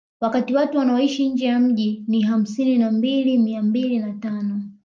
Wakati watu wanaoishi nje ya mji ni hamsini na mbili mia mbili na tano